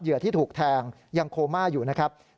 ที่ถูกแทงยังโคม่าอยู่นะครับ